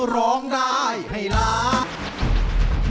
ร้องได้ให้ล้าน